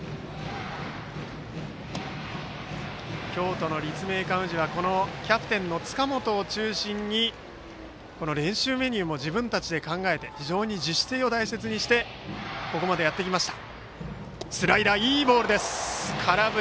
京都の立命館宇治はこのキャプテンの塚本を中心に練習メニューも自分たちで考えて非常に自主性を大切にしてここまでやってきました。